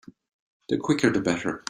The quicker the better.